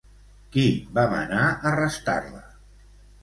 Qui va manar arrestar-la?